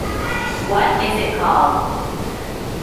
What is it called?